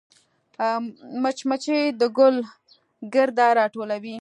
مچمچۍ د ګل ګرده راټولوي